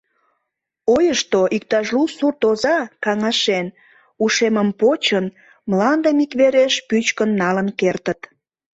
Ойышто, иктаж лу сурт оза, каҥашен, ушемым почын, мландым иквереш пӱчкын налын кертыт.